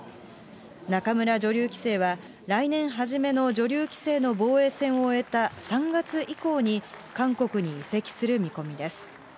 仲邑女流棋聖は来年初めの女流棋聖の防衛戦を終えた３月以降に、韓国に移籍する見込みです。